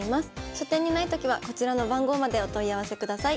書店にないときはこちらの番号までお問い合わせください。